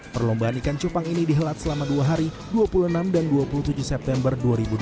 perlombaan ikan cupang ini dihelat selama dua hari dua puluh enam dan dua puluh tujuh september dua ribu dua puluh